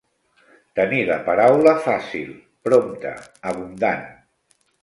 Tenir la paraula fàcil, prompta, abundant.